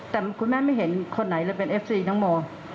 แต่คุณแม่ไม่เห็นคนไหนเลยเป็นเอฟซีน้องโม